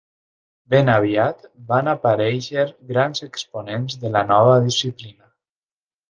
Ben aviat van aparèixer grans exponents de la nova disciplina.